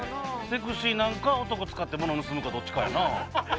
セクシーなんか男使って物盗むかどっちかやな。